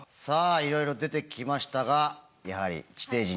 さあいろいろ出てきましたがやはり専門家！